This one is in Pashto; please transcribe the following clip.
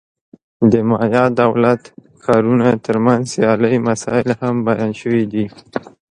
د مایا دولت-ښارونو ترمنځ سیالۍ مسایل هم بیان شوي دي.